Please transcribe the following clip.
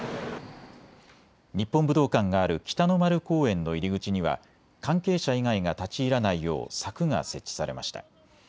日本武道館がある北の丸公園の入り口には関係者以外が立ち入らないよう柵が設置されました。